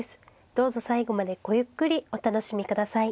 どうぞ最後までごゆっくりお楽しみ下さい。